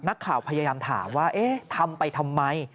นักข่าวพยายามถามว่าเอ๊ะทำไปทำไม